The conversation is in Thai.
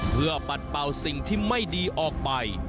เพื่อปัดเป่าสิ่งที่ไม่ดีออกไป